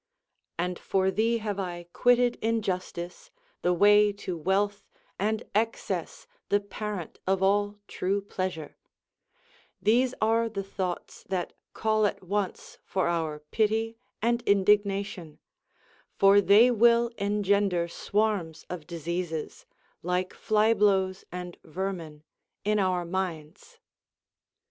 169 and for thee have I quitted injustice, the way to wealth, and excess, the parent of all true pleasure, — these are the thoughts that call at once for our pity and indignation ; for they will engender swarms of diseases, like iiy blows and vermin, in our minds.